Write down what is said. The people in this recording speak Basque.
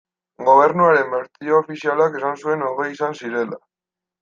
Gobernuaren bertsio ofizialak esan zuen hogei izan zirela.